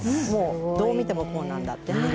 どう見ても、こうなんだってね。